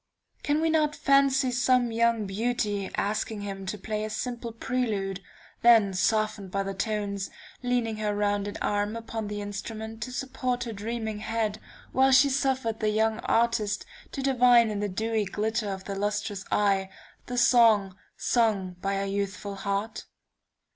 Can we not fancy some young beauty asking him to play a simple prelude, then softened by the tones, leaning her rounded arm upon the instrument to support her dreaming head, while she suffered the young artist to divine in the dewy glitter of the lustrous eyes, the song sung by her youthful heart?